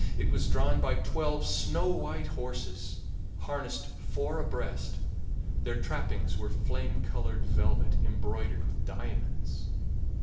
It was drawn by twelve snow white horses, harnessed four abreast; their trappings were flame colored velvet, embroidered with diamonds.